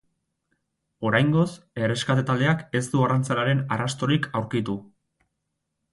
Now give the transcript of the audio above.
Oraingoz, erreskate taldeak ez du arrantzalearen arrastorik aurkitu.